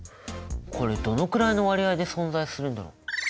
これどのくらいの割合で存在するんだろう？